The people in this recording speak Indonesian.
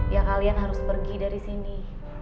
ya kalian harus pergi dari sini